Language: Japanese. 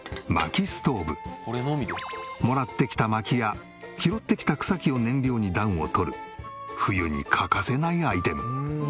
もらってきた薪や拾ってきた草木を燃料に暖を取る冬に欠かせないアイテム。